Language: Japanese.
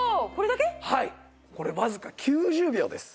これわずか９０秒です。